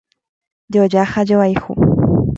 Joja ha joayhu